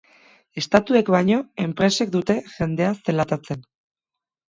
Estatuek baino, enpresek dute jendea zelatatzen.